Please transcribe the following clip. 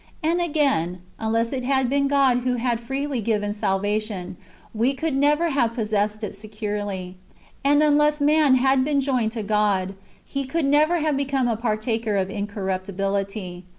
And again : unless it had been God who had freely given salvation, we could never have possessed it securely. And unless man had been joined to God, he could never have become a partaker of incorruptibility.